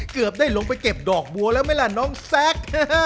เกือบได้ลงไปเก็บดอกบัวแล้วไหมล่ะน้องแซค